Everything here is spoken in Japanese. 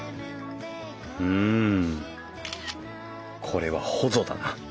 これはほぞだな。